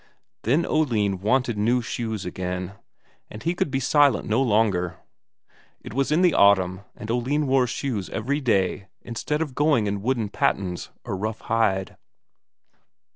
Then Oline wanted new shoes again, and he could be silent no longer. It was in the autumn, and Oline wore shoes every day, instead of going in wooden pattens or rough hide.